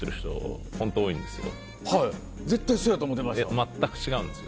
全く違うんですよ。